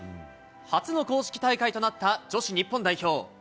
初の公式大会となった女子日本代表。